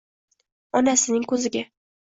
Onasining ko‘ziga